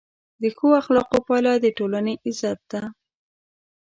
د ښو اخلاقو پایله د ټولنې عزت ده.